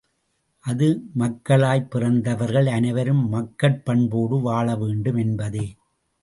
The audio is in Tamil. அது மக்களாய்ப் பிறந்தவர்கள் அனைவரும் மக்கட் பண்போடு வாழவேண்டும் என்பது.